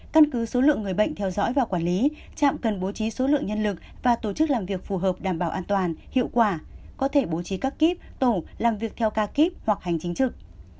căn cứ số lượng người bệnh theo dõi và quản lý trạm cần bố trí số lượng nhân lực và tổ chức làm việc phù hợp đảm bảo an toàn hiệu quả có thể bố trí các kíp tổ làm việc theo ca kíp hoặc hành chính trực